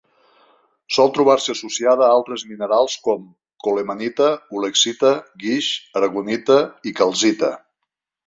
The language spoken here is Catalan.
Sol trobar-se associada a altres minerals com: colemanita, ulexita, guix, aragonita i calcita.